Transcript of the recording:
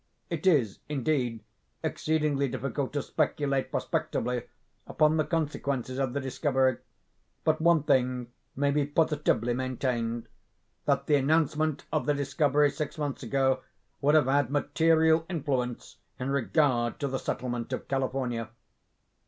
It is, indeed, exceedingly difficult to speculate prospectively upon the consequences of the discovery, but one thing may be positively maintained—that the announcement of the discovery six months ago would have had material influence in regard to the settlement of California.